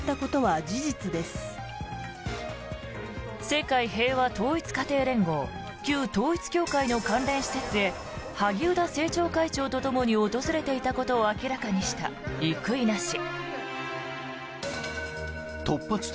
世界平和統一家庭連合旧統一教会の関連施設へ萩生田政調会長とともに訪れていたことを明らかにした生稲氏。